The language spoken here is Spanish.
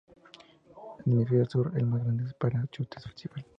En el hemisferio sur, la más grande es de Parachute Festival.